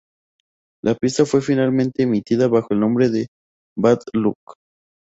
La pista fue finalmente emitida bajo el nombre de "Bad Luck".